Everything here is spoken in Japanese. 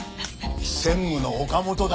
専務の岡本だ。